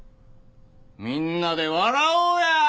みんなで笑おうや！